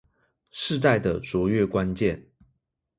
世代的卓越關鍵